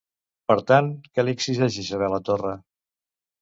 Per tant, què li exigeix Isabel a Torra?